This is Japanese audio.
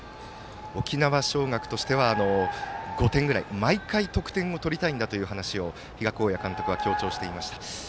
沖縄尚学としては５点ぐらい毎回得点を取りたいんだという話を比嘉公也監督は強調していました。